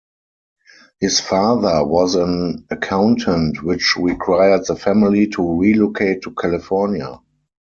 His father was an accountant which required the family to relocate to California.